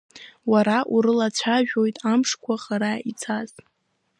Уара урылацәажәоит амшқәа, хара ицаз.